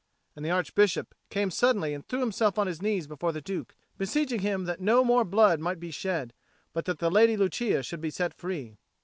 And the Archbishop came suddenly and threw himself on his knees before the Duke, beseeching him that no more blood might be shed, but that the Lady Lucia should be set free.